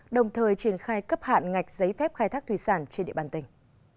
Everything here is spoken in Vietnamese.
đồng thời triển khai cấp hạn ngạch giấy phép khai thác thủy sản trên địa bàn tỉnh